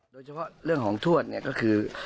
โดยเฉพาะเรื่องของทวดเนี่ยก็คือ